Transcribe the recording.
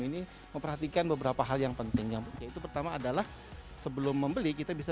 ini memperhatikan beberapa hal yang penting yaitu pertama adalah sebelum membeli kita bisa